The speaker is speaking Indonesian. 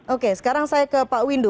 oke sekarang saya ke pak windu